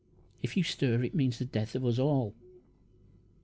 If you stir it means the death of us all!"